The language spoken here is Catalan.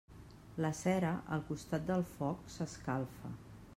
La cera al costat del foc s'escalfa.